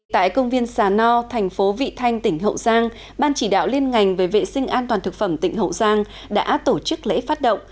tại công viên sà no thành phố vị thanh tỉnh hậu giang ban chỉ đạo liên ngành về vệ sinh an toàn thực phẩm tỉnh hậu giang đã tổ chức lễ phát động